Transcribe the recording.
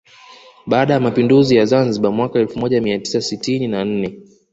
Baada ya mapinduzi ya Zanzibar mwaka elfu moja mia tisa sitini na nne